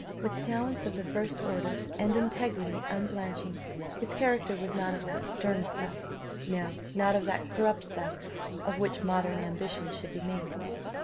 With talents of the first order, and integrity unblenching, his character was not of that stern stuff no, not of that corrupt stuff of which modern ambition should be made.